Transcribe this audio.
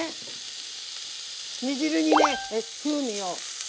煮汁に風味を。